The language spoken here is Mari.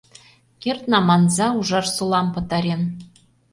Кертна, манза, Ужарсолам пытарен!